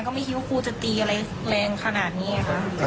ไม่คิดว่าครูจะตีอะไรแรงขนาดนี้ไงคะ